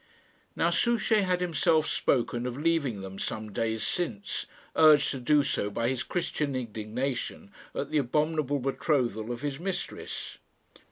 Now Souchey had himself spoken of leaving them some days since, urged to do so by his Christian indignation at the abominable betrothal of his mistress.